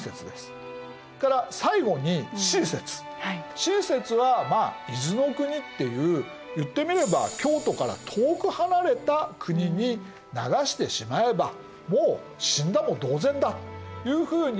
Ｃ説はまあ伊豆の国っていう言ってみれば京都から遠く離れた国に流してしまえばもう死んだも同然だというふうに平清盛が思った。